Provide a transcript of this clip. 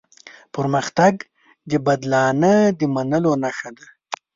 پرمختګ د بدلانه د منلو نښه ده.